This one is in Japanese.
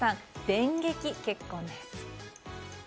電撃結婚です。